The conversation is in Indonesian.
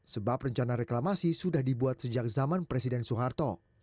sebab rencana reklamasi sudah dibuat sejak zaman presiden soeharto